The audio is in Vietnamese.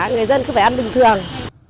người dân cứ phải ăn bình thường